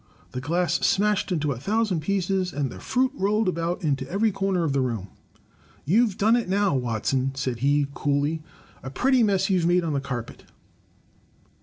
The glass smashed into a thousand pieces and the fruit rolled about into every comer of the room. " You've done it now, Watson," said he, coolly. " A pretty mess you Ve made of the carpet."